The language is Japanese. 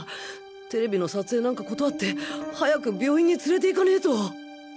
ＴＶ の撮影なんか断って早く病院に連れて行かねと！